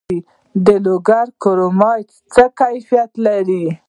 د لوګر کرومایټ څه کیفیت لري؟